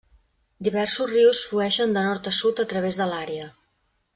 Diversos rius flueixen de nord a sud a través de l'àrea.